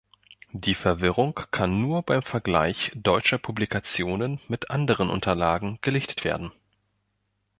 Die Verwirrung kann nur beim Vergleich deutscher Publikationen mit anderen Unterlagen gelichtet werden.